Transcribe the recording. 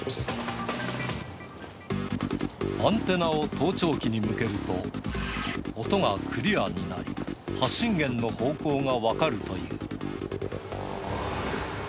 アンテナを盗聴器に向けると、音がクリアになり、発信源の方向が分かるという。